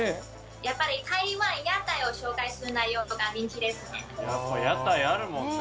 やっぱり台湾屋台を紹介する内容とか人気ですね。